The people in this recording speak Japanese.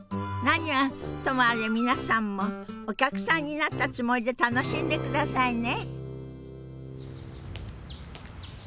何はともあれ皆さんもお客さんになったつもりで楽しんでくださいね。